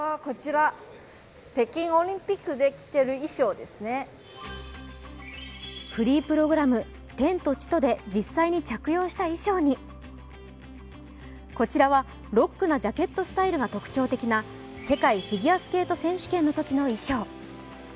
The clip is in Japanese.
他にもフリープログラム「天と地と」で実際に着用した衣装にこちらはロックなジャケットスタイルが特徴的な世界フィギュアスケート選手権のときの衣装。